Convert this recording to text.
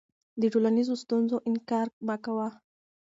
د ټولنیزو ستونزو انکار مه کوه.